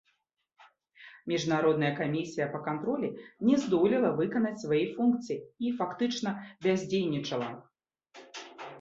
Міжнародная камісія па кантролі не здолела выканаць сваіх функцый і фактычна бяздзейнічала.